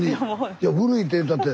いや古いっていうたって。